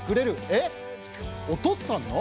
えっおとっつぁんの？